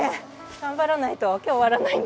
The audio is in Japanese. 頑張らないと今日終わらないんで。